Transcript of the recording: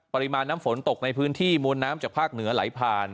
ปริมาณน้ำฝนตกในพื้นที่มวลน้ำจากภาคเหนือไหลผ่าน